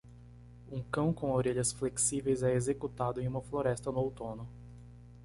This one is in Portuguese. Um cão com orelhas flexíveis é executado em uma floresta no outono.